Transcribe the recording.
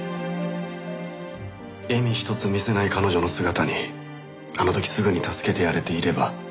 笑みひとつ見せない彼女の姿にあの時すぐに助けてやれていれば。